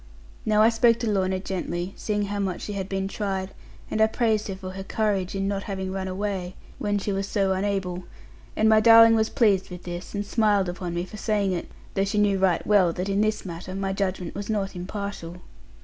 Now I spoke to Lorna gently, seeing how much she had been tried; and I praised her for her courage, in not having run away, when she was so unable; and my darling was pleased with this, and smiled upon me for saying it; though she knew right well that, in this matter, my judgment was not impartial.